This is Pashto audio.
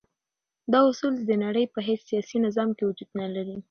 دا اصول د نړی په هیڅ سیاسی نظام کی وجود نلری.